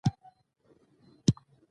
سترګې یې له قهره سرې دي.